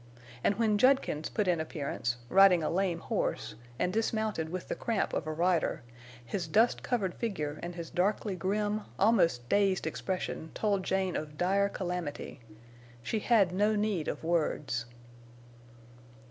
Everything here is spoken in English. And when Judkins put in appearance, riding a lame horse, and dismounted with the cramp of a rider, his dust covered figure and his darkly grim, almost dazed expression told Jane of dire calamity. She had no need of words.